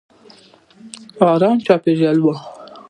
ارامه چاپېریال یې و.